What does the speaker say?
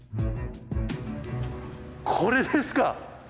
これですか。